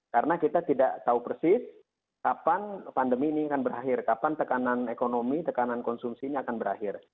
karena kita tidak tahu persis kapan pandemi ini akan berakhir kapan tekanan ekonomi tekanan konsumsi ini akan berakhir